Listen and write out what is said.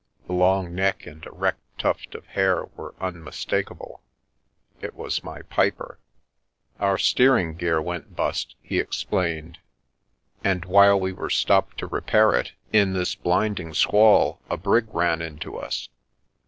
The long neck and er tuft of hair were unmistakable — it was my piper. " Our steering gear went bust," he explained, " 1 while we were stopped to repair it, in this blinding sqi The Milky Way a brig ran into us.